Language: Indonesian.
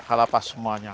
kalau pak semuanya